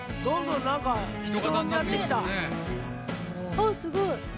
あっすごい。